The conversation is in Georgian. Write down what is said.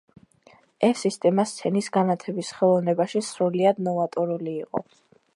ეს სისტემა სცენის განათების ხელოვნებაში სრულიად ნოვატორული იყო.